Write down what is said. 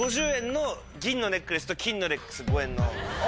５０円の銀のネックレスと金のネックレス５円の。